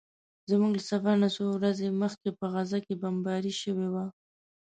زموږ له سفر نه څو ورځې مخکې په غزه کې بمباري شوې وه.